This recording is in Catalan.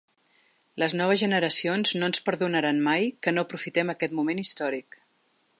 Les noves generacions no ens perdonaran mai que no aprofitem aquest moment històric.